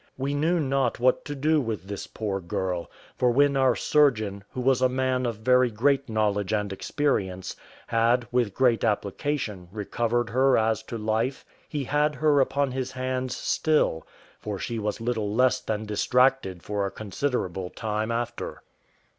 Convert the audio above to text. We knew not what to do with this poor girl; for when our surgeon, who was a man of very great knowledge and experience, had, with great application, recovered her as to life, he had her upon his hands still; for she was little less than distracted for a considerable time after.